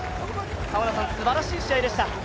すばらしい試合でした。